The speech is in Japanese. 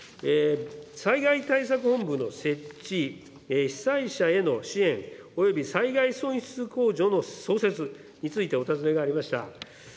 災害対策本部の設置、被災者への支援、および災害損失控除の創設についてお尋ねがありました。